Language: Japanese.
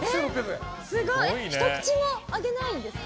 ひと口もあげないんですか？